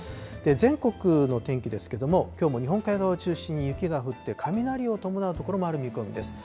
全国の天気ですけども、きょうも日本海側を中心に、雪が降って、雷を伴う所もある見込みです。